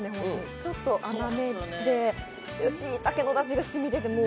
ちょっと甘めで、しいたけのだしが染みてて。